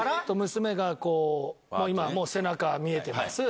娘が今背中見えてます。